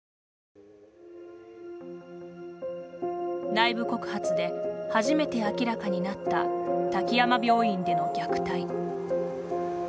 内部告発で、はじめて明らかになった滝山病院での虐待。